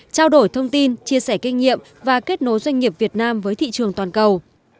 trao đổi thông tin chia sẻ kinh nghiệm và kết nối doanh nghiệp việt nam với thị trường toàn cầu